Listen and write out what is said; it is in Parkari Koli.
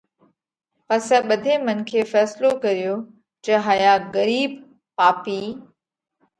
پسئہ ٻڌي منکي ڦينصلو ڪريو جي هايا ڳرِيٻ پاپِي